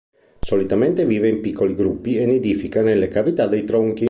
Solitamente vive in piccoli gruppi e nidifica nelle cavità dei tronchi.